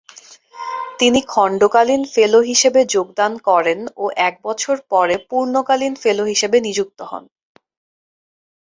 তিনি খণ্ডকালীন ফেলো হিসেবে যোগদান করেন ও এক বছর পরে পূর্ণকালীন ফেলো হিসেবে নিযুক্ত হন।